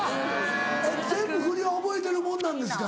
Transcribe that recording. えっ全部振りは覚えてるもんなんですか。